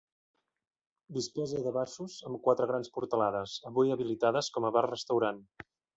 Disposa de baixos, amb quatre grans portalades, avui habilitades com a bar-restaurant.